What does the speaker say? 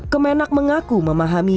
kemenak mengaku memahami